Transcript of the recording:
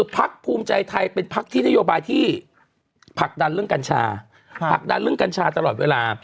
พักภูมิใจไทยเป็นพักที่นโยบายที่ผลักดันเรื่องกัญชาผลักดันเรื่องกัญชาตลอดเวลา